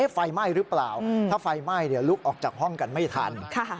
ไฟไหม้หรือเปล่าถ้าไฟไหม้เดี๋ยวลุกออกจากห้องกันไม่ทัน